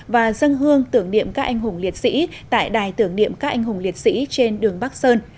và dân hương tưởng niệm các anh hùng liệt sĩ tại đài tưởng niệm các anh hùng liệt sĩ trên đường bắc sơn